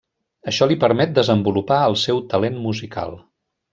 Això li permet desenvolupar el seu talent musical.